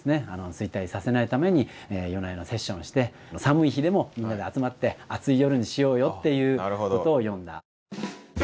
衰退させないために夜な夜なセッションをして寒い日でもみんなで集まって熱い夜にしようよっていうことを詠んだ。